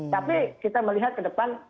tapi kita melihat ke depan